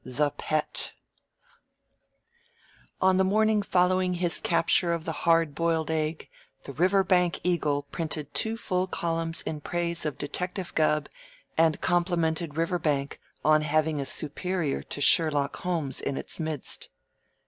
THE PET On the morning following his capture of the Hard Boiled Egg, the "Riverbank Eagle" printed two full columns in praise of Detective Gubb and complimented Riverbank on having a superior to Sherlock Holmes in its midst.